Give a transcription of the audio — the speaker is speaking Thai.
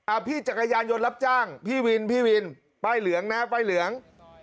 พี่จักรยานยนต์รับจ้างพี่วินพี่วินป้ายเหลืองนะป้ายเหลือง